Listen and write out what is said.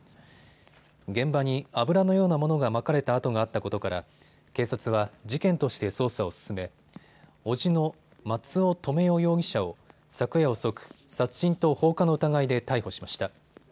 現場に油のようなものがまかれた跡があったことから警察は事件として捜査を進め伯父の松尾留与容疑者を昨夜遅く、殺人と放火の疑いで逮捕しました。